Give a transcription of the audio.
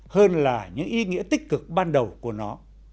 hơn là những ý nghĩa tích cực ban đầu của nó